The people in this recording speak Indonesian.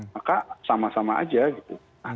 maka sama sama aja gitu